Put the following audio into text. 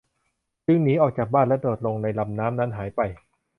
จึงหนีออกจากบ้านและโดดลงในลำน้ำนั้นหายไป